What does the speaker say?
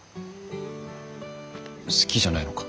好きじゃないのか？